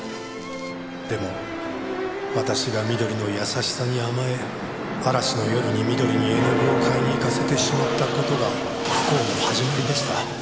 「でも私がみどりの優しさに甘え嵐の夜にみどりに絵の具を買いに行かせてしまった事が不幸の始まりでした」